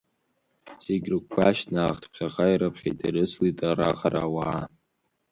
Зегь рыгәқәа шьҭнахт, ԥхьаҟа ирыԥхьеит ирыцлеит раҟара ауаа.